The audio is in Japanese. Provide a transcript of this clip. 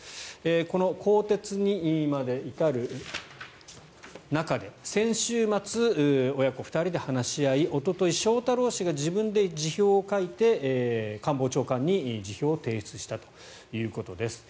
この更迭にまで至る中で先週末、親子２人で話し合いおととい、翔太郎氏が自分で辞表を書いて官房長官に辞表を提出したということです。